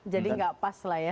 jadi nggak pas lah ya